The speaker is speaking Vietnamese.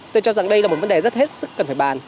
tôi cho rằng đây là một vấn đề rất hết sức cần phải bàn